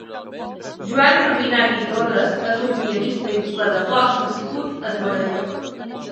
Joan Rubinat i Torres és un pianista i pedagog nascut a Torelló.